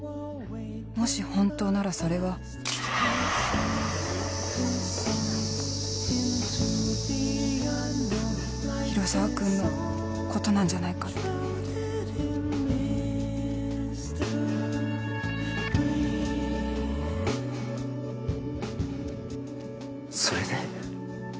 もし本当ならそれは広沢君のことなんじゃないかってそれで？